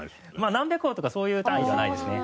何百億とかそういう単位ではないですね。